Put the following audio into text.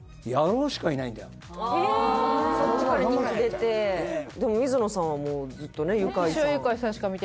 そっちから人気出てでも水野さんはもうずっとねユカイさんを物好き？